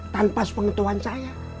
tanpa sepengetuhan saya